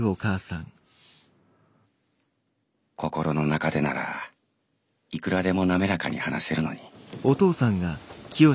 「心の中でならいくらでも滑らかに話せるのに」。